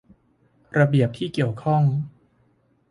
ระเบียบที่เกี่ยวข้อง